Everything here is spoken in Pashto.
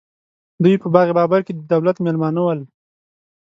دوی په باغ بابر کې د دولت مېلمانه ول.